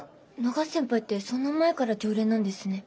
永瀬先輩ってそんな前から常連なんですね。